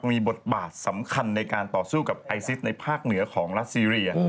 มีบทบาทสำคัญในการต่อสู้กับไอซิสในภาคเหนือของรัสซีเรีย